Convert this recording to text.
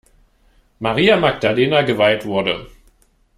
Maria Magdalena geweiht wurde.